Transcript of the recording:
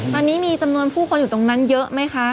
ตอนนี้มีจำนวนผู้คนอยู่ตรงนั้นเยอะไหมคะ